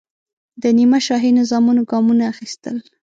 د نیمه شاهي نظامونو ګامونه اخیستل.